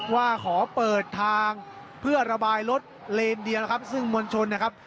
ว่าขอเปิดทางเพื่อระบายรถเลนเดียวนะครับซึ่งมวลชนนะครับ